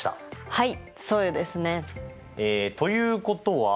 はい。